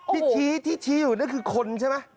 ที่ชี้ที่ชี้อยู่นั่นคือคนใช่ไหม